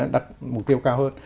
đặt mục tiêu cao hơn